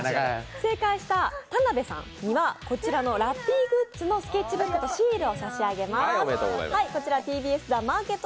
正解した田辺さんにはこちらのラッピーグッズのシールを差し上げます。